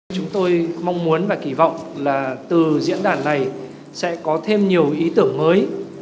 chúng tôi mong muốn và kỳ vọng là từ diễn đàn này sẽ có thêm nhiều ý tưởng mới